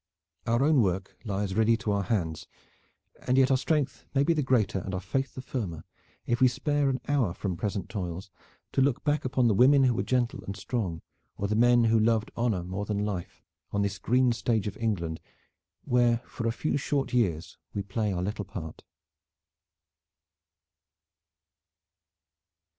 Our own work lies ready to our hands; and yet our strength may be the greater and our faith the firmer if we spare an hour from present toils to look back upon the women who were gentle and strong, or the men who loved honor more than life, on this green stage of England where for a few short years we play our little part.